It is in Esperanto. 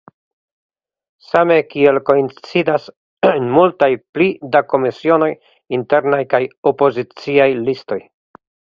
Same kiel koincidas en multaj pli da komisionoj internaj kaj opoziciaj listoj.